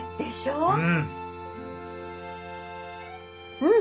うん。